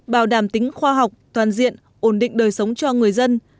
bảo đảm tính khoa học toàn diện ổn định đời sống cho người dân